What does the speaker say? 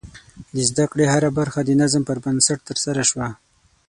د زده کړې هره برخه د نظم پر بنسټ ترسره شوه.